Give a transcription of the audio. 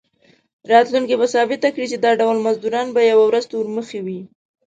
راتلونکي به ثابته کړي چې دا ډول مزدوران به یوه ورځ تورمخي وي.